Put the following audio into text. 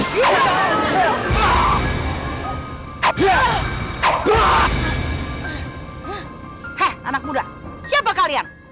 hei anak muda siapa kalian